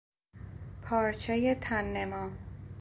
پارچهی تننما